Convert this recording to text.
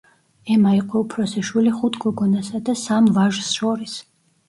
ემა იყო უფროსი შვილი ხუთ გოგონასა და სამ ვაჟს შორის.